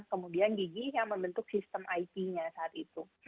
kemudian gigi yang membentuk sistem it nya saat itu